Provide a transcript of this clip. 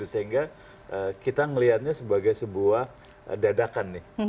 sehingga kita melihatnya sebagai sebuah dadakan nih